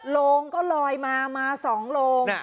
ลงก็ลอยมามาสองลง